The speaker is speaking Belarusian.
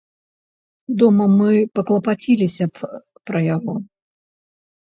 Дома мы паклапаціліся б пра яго.